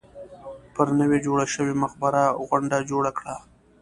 پر نوې جوړه شوې مقبره غونډه جوړه کړه.